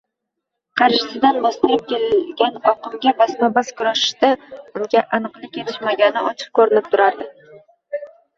Qarshisidan bostirib kelgan oqimga basma-bas kurashishda unga aniqlik yetishmagani ochiq ko‘rinib turardi.